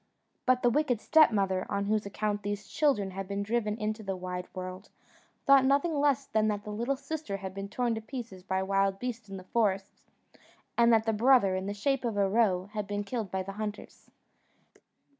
But the wicked stepmother, on whose account these children had been driven into the wide world, thought nothing less than that the little sister had been torn to pieces by wild beasts in the forest, and that the brother, in the shape of a roe, had been killed by the hunters.